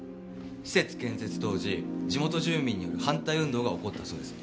施設建設当時地元住民による反対運動が起こったそうです。